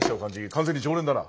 完全に常連だな。